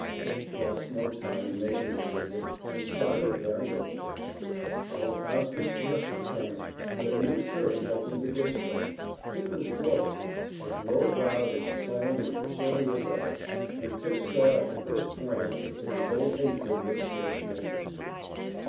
Pip lost no time in making this visit, and started the very next day. The old house looked just the same, but a new servant opened the gate for him: it was Orlick, as low browed and sullen and surly as ever, and Pip saw at the first glance that his old hatred was still smoldering.